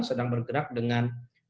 sedang bergerak dengan